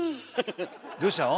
どうしたの？